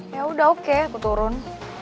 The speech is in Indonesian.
ya udah oke aku turun